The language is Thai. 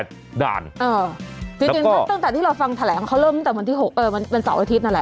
จริงตั้งแต่ที่เราฟังแถลงเขาเริ่มตั้งแต่วันที่๖เป็นเสาร์อาทิตยนั่นแหละ